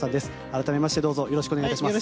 改めましてよろしくお願いします。